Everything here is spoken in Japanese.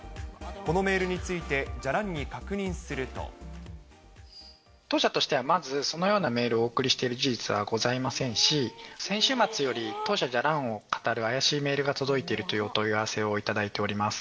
このメールについて、じゃらんに当社としてはまず、そのようなメールをお送りしている事実はございませんし、先週末より当社じゃらんをかたる怪しいメールが届いているというお問い合わせをいただいております。